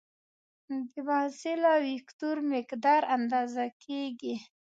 د محصله وکتور مقدار اندازه کړئ.